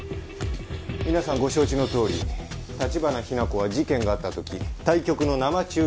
皆さんご承知のとおり橘日名子は事件があった時対局の生中継中でした。